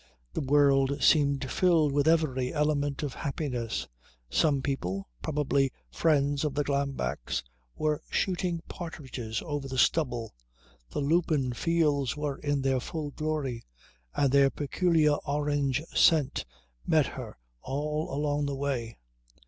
The world seemed filled with every element of happiness. Some people, probably friends of the Glambecks, were shooting partridges over the stubble. The lupin fields were in their full glory, and their peculiar orange scent met her all along the way.